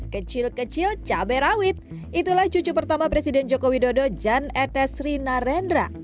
kecil kecil cabai rawit itulah cucu pertama presiden joko widodo jan etes rina rendra